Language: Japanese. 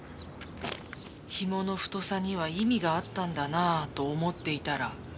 ひもの太さには意味があったんだなと思っていたら。